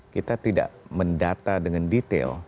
kita tidak mendata dengan detail